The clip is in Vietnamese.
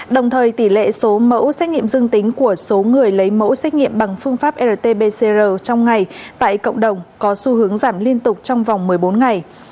đồng thời tỷ lệ số mẫu xét nghiệm dương tính của số người lấy mẫu xét nghiệm bằng phương pháp rt pcr trong ngày tại cộng đồng có xu hướng giảm liên tục trong vòng một mươi bốn ngày